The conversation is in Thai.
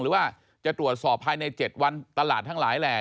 หรือว่าจะตรวจสอบภายใน๗วันตลาดทั้งหลายแหล่